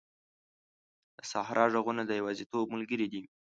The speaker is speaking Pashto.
د صحرا ږغونه د یوازیتوب ملګري وي.